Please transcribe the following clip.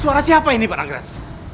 suara siapa ini pak nagras